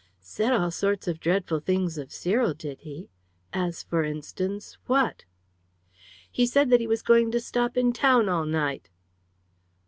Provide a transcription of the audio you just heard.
"Said all sorts of dreadful things of Cyril, did he? As, for instance, what?" "He said that he was going to stop in town all night."